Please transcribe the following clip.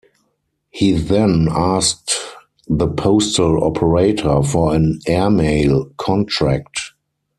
He then asked the postal operator for an airmail contract.